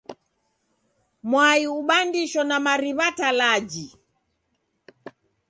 Mwai ubandisho na mariw'a talaji.